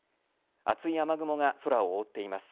厚い雨雲が空を覆っています。